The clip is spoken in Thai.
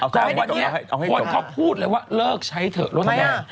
แต่วันนี้คนเขาพูดเลยว่าเลิกใช้เถอะรถแดง